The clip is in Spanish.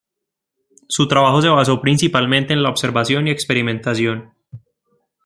Su trabajo se basó principalmente en la observación y experimentación.